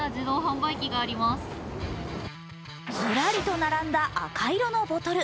ずらりと並んだ赤色のボトル。